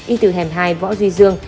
y từ hẻm hai võ duy dương